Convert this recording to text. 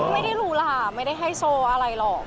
ไม่ได้รู้ล่ะไม่ได้ให้โชว์อะไรหรอก